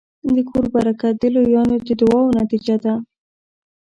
د کور برکت د لویانو د دعاوو نتیجه ده.